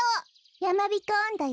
「やまびこおんど」よ。